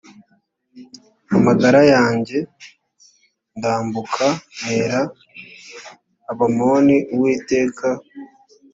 amagara yanjye ndambuka ntera abamoni uwiteka